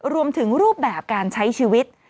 รวมถึงรูปแบบการใช้ชีวิต